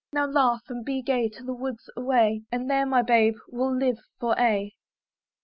Now laugh and be gay, to the woods away! And there, my babe; we'll live for aye.